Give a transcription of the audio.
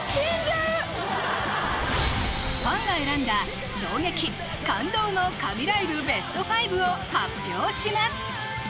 ファンが選んだ衝撃・感動の神ライブベスト５を発表します！